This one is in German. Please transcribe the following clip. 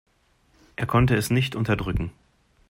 Er konnte es nicht unterdrücken.